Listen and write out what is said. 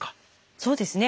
そうですね。